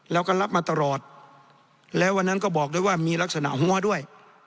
แล้วก็รับมาตลอดแล้ววันนั้นก็บอกด้วยว่ามีลักษณะหัวด้วย